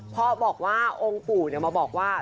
เพราะบอกว่าองค์ปู่มาบอกว่า